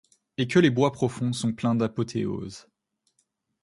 Et que les bois profonds sont pleins d'apothéoses ;